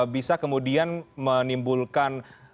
bisa kemudian menimbulkan